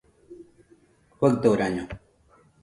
Faɨdoraño